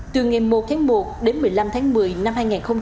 từ ngày một tháng một đến một mươi năm tháng một mươi năm hai nghìn hai mươi